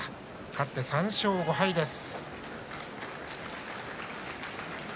勝って３勝５敗です。